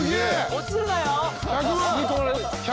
落ちるなよ。